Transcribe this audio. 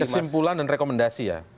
kesimpulan dan rekomendasi ya